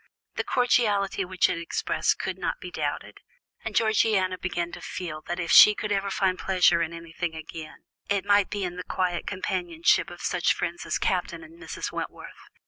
The cordiality which it expressed could not be doubted, and Georgiana began to feel that if she could ever find pleasure in anything again, it might be in the quiet companionship of such friends as Captain and Mrs. Wentworth.